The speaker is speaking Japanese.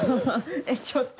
えっちょっと。